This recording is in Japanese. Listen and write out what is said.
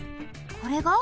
これが？